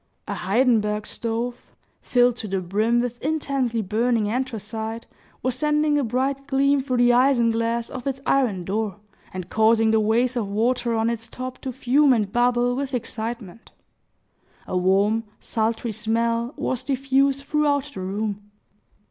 A Heidenberg stove, filled to the brim with intensely burning anthracite, was sending a bright gleam through the isinglass of its iron door, and causing the vase of water on its top to fume and bubble with excitement. A warm, sultry smell was diffused throughout the room.